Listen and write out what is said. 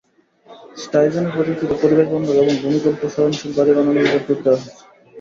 স্টাইজেনের প্রযুক্তিতে পরিবেশবান্ধব এবং ভূমিকম্প সহনশীল বাড়ি বানানোর ওপর জোর দেওয়া হচ্ছে।